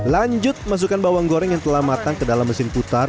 lanjut masukkan bawang goreng yang telah matang ke dalam mesin putar